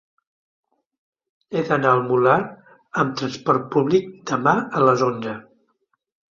He d'anar al Molar amb trasport públic demà a les onze.